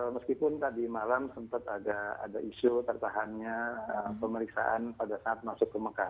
meskipun tadi malam sempat ada isu tertahannya pemeriksaan pada saat masuk ke mekah